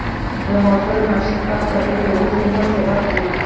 د موټر انجن پاک ساتل د اوږد عمر سبب دی.